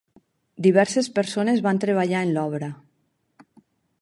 Diverses persones van treballar en l'obra.